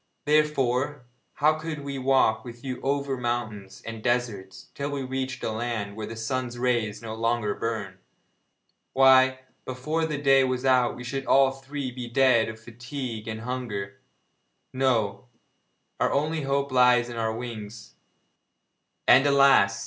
Therefore, how could we walk with you over mountains and deserts, till we reached a land where the sun's rays no longer burn? Why, before the day was out we should all three be dead of fatigue and hunger! No, our only hope lies in our wings and, alas!